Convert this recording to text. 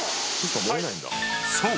［そう。